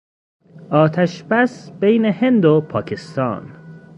آتش بس بین هند و پاکستان